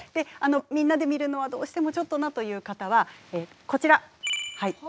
みんなで見るのはどうしてもちょっとなという方はえこちらはい。